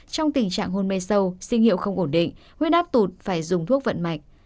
trong tình trạng hôn mê sâu sinh hiệu không ổn định huyết áp tụt phải dùng thuốc vận mạch